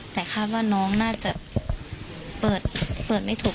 แต่คาดว่าน้องน่าจะเปิดไม่ถูก